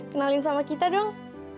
kenalin sama kita dong